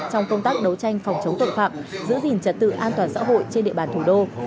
trong công tác đấu tranh phòng chống tội phạm giữ gìn trật tự an toàn xã hội trên địa bàn thủ đô